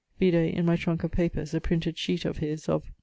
Vide in my trunke of papers a printed sheet of his of....